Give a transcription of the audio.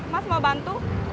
mas mau bantu